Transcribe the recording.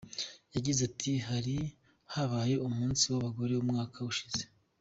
Yagize ati “Hari habaye Umunsi w’Abagore umwaka ushize.